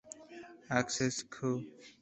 Access Co.